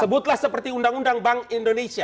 sebutlah seperti undang undang bank indonesia